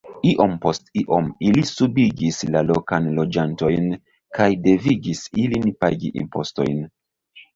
Iom post iom ili subigis la lokan loĝantojn kaj devigis ilin pagi impostojn.